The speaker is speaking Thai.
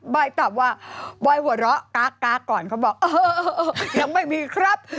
อยตอบว่าบอยหัวเราะก๊ากก่อนเขาบอกเออยังไม่มีครับ